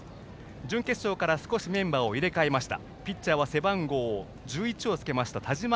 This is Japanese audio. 準決勝から少しメンバーを入れ替えました。